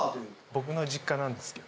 僕の実家なんですけど。